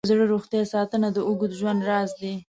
د زړه روغتیا ساتنه د اوږد ژوند راز دی.